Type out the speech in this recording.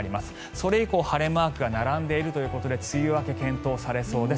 それ以降、晴れマークが並んでいるということで梅雨明け検討されそうです